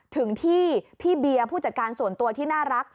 ถึงที่พี่เบียร์ผู้จัดการส่วนตัวที่น่ารัก